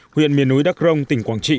huyện miền núi đắk rông tỉnh quảng trị